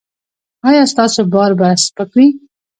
ایا ستاسو بار به سپک وي؟